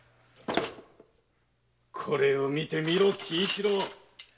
これを見てみろ喜一郎。